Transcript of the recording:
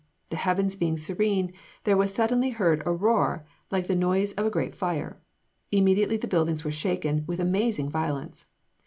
The heavens being serene, there was suddenly heard a roar like the noise of a great fire. Immediately the buildings were shaken with amazing violence.